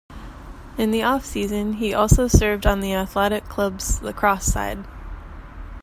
In the off-season, he also served on the athletic club's lacrosse side.